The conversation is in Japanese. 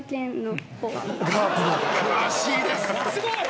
詳しいです。